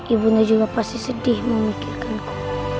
ibunya juga pasti sedih memikirkanku